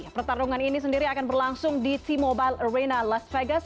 pertarungan ini sendiri akan berlangsung di t mobile arena las vegas